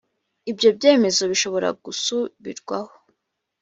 ibyo byemezo bishobora gusubirwaho